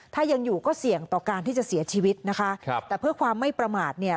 ถ้ายังอยู่ก็เสี่ยงต่อการที่จะเสียชีวิตนะคะครับแต่เพื่อความไม่ประมาทเนี่ย